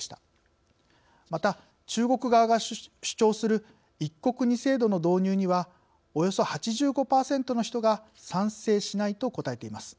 また中国側が主張する「一国二制度」の導入にはおよそ８５％の人が「賛成しない」と答えています。